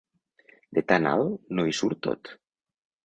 De tan alt no hi surt tot.